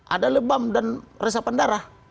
ada lebam dan resapan darah